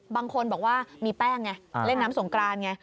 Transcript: บางคนบอกว่ามีแป้งไงเล่นน้ำสงกรานไง